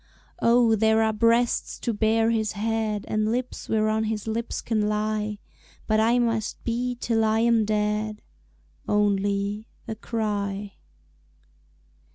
Oh, there are breasts to bear his head, And lips whereon his lips can lie, But I must be till I am dead Only a cry.